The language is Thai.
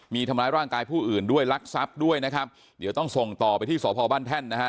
มีทำร้ายร่างกายผู้อื่นด้วยลักทรัพย์ด้วยนะครับเดี๋ยวต้องส่งต่อไปที่สพบ้านแท่นนะฮะ